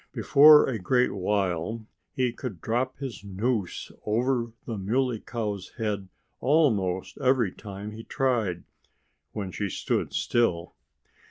Before a great while he could drop his noose over the Muley Cow's head almost every time he tried when she stood still.